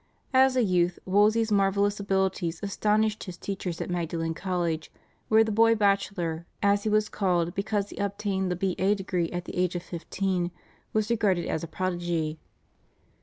As a youth, Wolsey's marvellous abilities astonished his teachers at Magdalen College, where the boy bachelor, as he was called because he obtained the B.A. degree at the age of fifteen, was regarded as a prodigy.